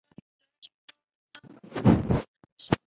中华民国及满洲国政治人物。